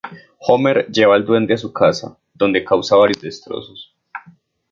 Homer lleva al duende a su casa, donde causa varios destrozos.